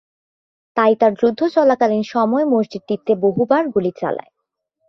তাই তার যুদ্ধ চলাকালীন সময়ে মসজিদটিতে বহুবার গুলি চালায়।